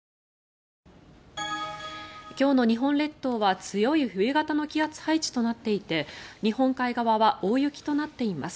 今日の日本列島は強い冬型の気圧配置となっていて日本海側は大雪となっています。